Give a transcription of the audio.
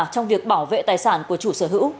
trong việc bảo vệ tài sản của chủ sở hữu